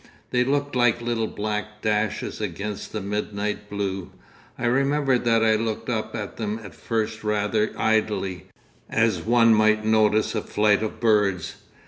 They looked like little black dashes against the midnight blue. I remember that I looked up at them at first rather idly—as one might notice a flight of birds.